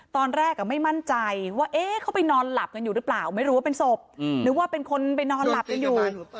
ตอนแรกไม่มั่นใจว่าเขาไปนอนหลับกันอยู่หรือเปล่าไม่รู้ว่าเป็นศพนึกว่าเป็นคนไปนอนหลับกันอยู่